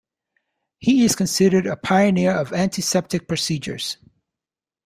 He is considered a pioneer of antiseptic procedures.